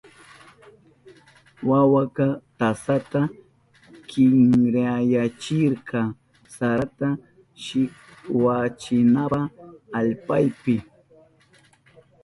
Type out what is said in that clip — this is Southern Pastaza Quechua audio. Wawaka tasata kinkrayachirka sarata shikwachinanpa allpapi.